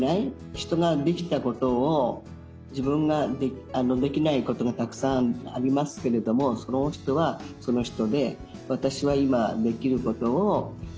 人ができたことを自分ができないことがたくさんありますけれどもその人はその人で私は今できることを頑張って楽しんでやろうっていう気持ち。